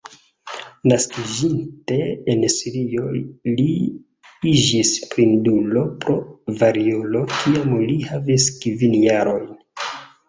Naskiĝinte en Sirio, li iĝis blindulo pro variolo kiam li havis kvin jarojn.